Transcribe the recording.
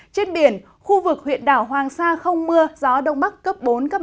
trên biển khu vực huyện đảo hoàng sa không mưa gió đông bắc cấp bốn năm